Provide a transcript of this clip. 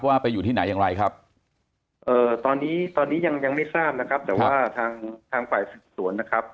ว่าไปอยู่ที่ไหนอย่างไรครับตอนนี้ยังไม่ทราบนะครับแต่ว่าทางฝ่ายสืบสวนนะครับ